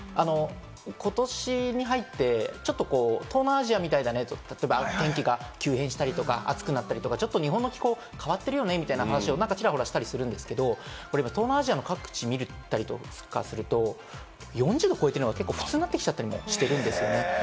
ことしに入って、ちょっと東南アジアみたいだねって、天気が急変したりとか暑くなったり、日本の気候が変わってるよねみたいな話をちらほらしたりするんですけれども、東南アジアの各地を見たりとかすると、４０度超えてるのが結構、普通になってきちゃったりしてるんですよね。